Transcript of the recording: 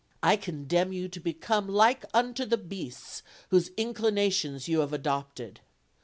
I condemn you to become like unto the beasts whose inclinations you have adopted.